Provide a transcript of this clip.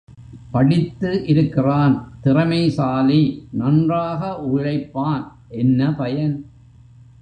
படித்து இருக்கிறான் திறமைசாலி நன்றாக உழைப்பான் என்ன பயன்?